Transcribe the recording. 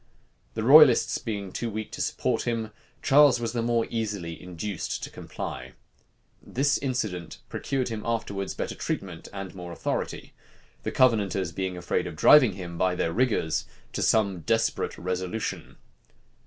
The royalists being too weak to support him, Charles was the more easily induced to comply. This incident procured him afterwards better treatment and more authority; the Covenanters being afraid of driving him, by their rigors, to some desperate resolution.